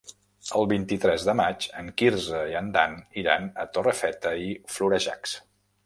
El vint-i-tres de maig en Quirze i en Dan iran a Torrefeta i Florejacs.